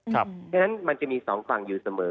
เพราะฉะนั้นมันจะมีสองฝั่งอยู่เสมอ